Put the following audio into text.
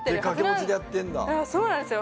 いやそうなんですよ